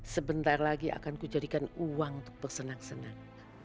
sebentar lagi akan kujadikan uang untuk bersenang senang